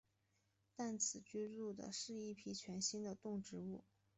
但此居住的是一批全新的动植物。